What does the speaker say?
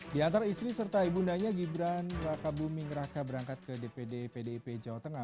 di antar istri serta ibundanya gibran raka buming raka berangkat ke dpd pdip jawa tengah